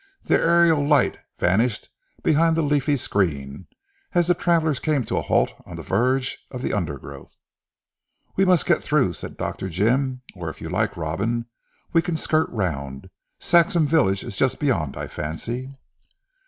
The aerial light vanished behind the leafy screen, as the travellers came to a halt on the verge of the undergrowth. "We must get through," said Dr. Jim, "or if you like Robin, we can skirt round. Saxham village is just beyond I fancy."